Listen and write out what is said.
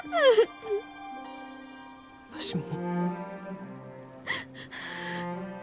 わしも。